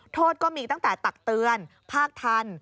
ก็มีตั้งแต่ตักเตือนภาคทัน